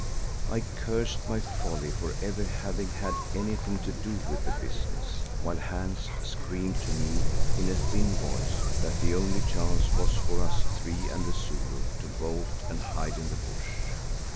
I cursed my folly for ever having had anything to do with the business, while Hans screamed to me in a thin voice that the only chance was for us three and the Zulu to bolt and hide in the bush.